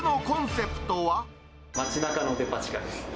町なかのデパ地下です。